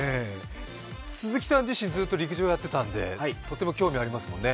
鈴木さん自身、ずっと陸上をやってたんでとても興味がありますよね？